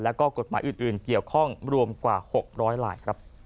แล้วก็กฎหมายอื่นเกี่ยวข้องรวมกว่า๖๐๐ลายครับ